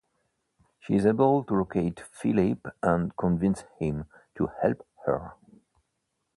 She is able to locate Philippe and convince him to help her.